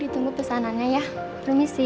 baik ditunggu pesanannya ya permisi